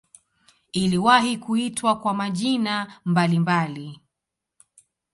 Iliwahi kuitwa kwa majina mbalimbali.